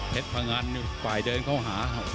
เทศพังอันฝ่ายเดินเข้าหา